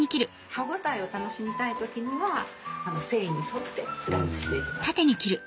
歯応えを楽しみたい時には繊維に沿ってスライスしていきます。